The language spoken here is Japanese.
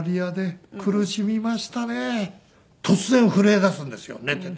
突然震えだすんですよ寝てて。